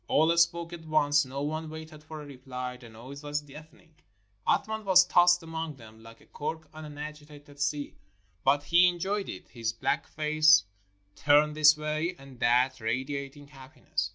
All spoke at once — no one waited for a reply. The noise was deafening. Athman was tossed among them like a cork on an agitated sea. But — he enjoyed it. His black face turned this way and that, radiating happiness.